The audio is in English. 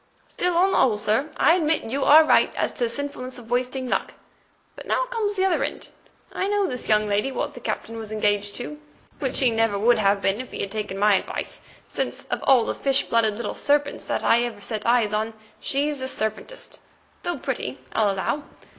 "Still, on the whole, sir, I admit you are right as to the sinfulness of wasting luck. But now comes the other end. I know this young lady what the Captain was engaged to, which he never would have been if he had taken my advice, since of all the fish blooded little serpents that ever I set eyes on she's the serpentest, though pretty, I allow.